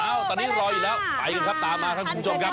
ตอนนี้รออยู่แล้วไปกันครับตามมาครับคุณผู้ชมครับ